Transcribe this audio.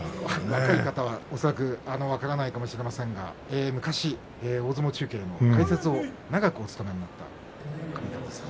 若い方は分からないかもしれませんが昔の大相撲中継の解説を長くお務めになった神風さん。